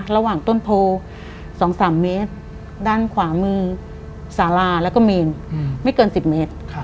ระหว่างต้นโพ๒๓เมตรด้านขวามือสาราแล้วก็เมนไม่เกิน๑๐เมตร